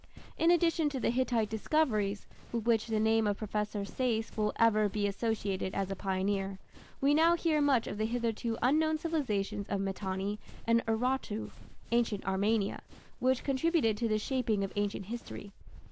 In addition to the Hittite discoveries, with which the name of Professor Sayce will ever be associated as a pioneer, we now hear much of the hitherto unknown civilizations of Mitanni and Urartu (ancient Armenia), which contributed to the shaping of ancient history.